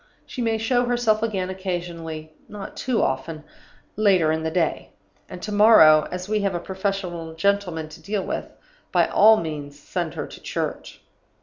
She may show herself again occasionally (not too often) later in the day. And to morrow as we have a professional gentleman to deal with by all means send her to church.